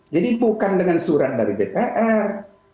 jadi bukan dengan surat dari dpr